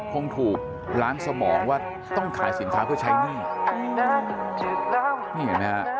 คงถูกล้านสมองว่าต้องขายสินค้าเพื่อใช้หนี้